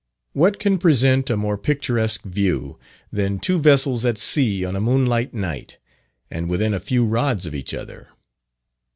What can present a more picturesque view, than two vessels at sea on a moonlight night, and within a few rods of each other?